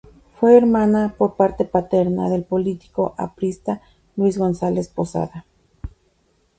Fue hermana por parte paterna del político aprista Luis Gonzales Posada.